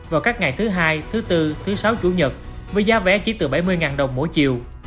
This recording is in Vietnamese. vào các ngày thứ hai thứ bốn thứ sáu chủ nhật với giá vé chỉ từ bảy mươi đồng mỗi chiều